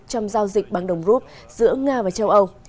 trong giao dịch bằng đồng rút giữa nga và châu âu